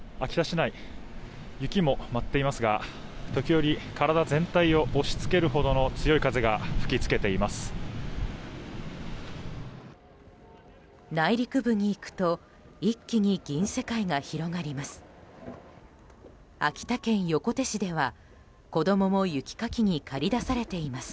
内陸部に行くと一気に銀世界が広がります。